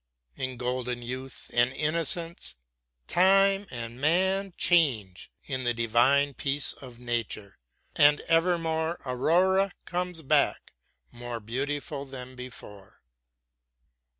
In golden youth and innocence time and man change in the divine peace of nature, and evermore Aurora comes back more beautiful than before.